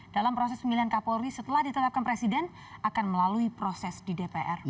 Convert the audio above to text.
dalam proses pemilihan kapolri setelah ditetapkan presiden akan melalui proses di dpr